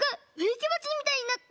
きばちみたいになった！